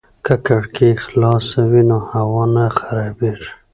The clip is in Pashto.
که کړکۍ خلاصې وي نو هوا نه خرابېږي.